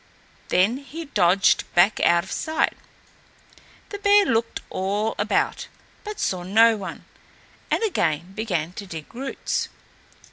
Then he dodged back out of sight. The bear looked all about, but saw no one, and again began to dig roots.